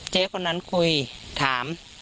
เจ๊คนนั้นคุยถาม